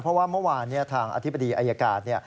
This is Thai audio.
เพราะว่าเมื่อวานทางอธิบดีอายการ